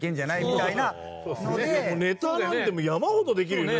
ネタなんて山ほどできるよね